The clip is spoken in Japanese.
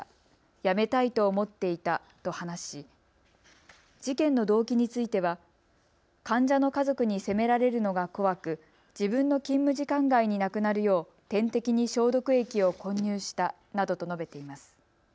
やめたいと思っていたと話し、事件の動機については患者の家族に責められるのが怖く自分の勤務時間外に亡くなるよう点滴に消毒液を混入したなどと述べています。